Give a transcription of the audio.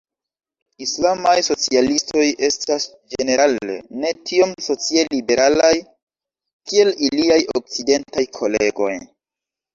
Islamaj socialistoj estas ĝenerale ne tiom socie liberalaj kiel iliaj okcidentaj kolegoj.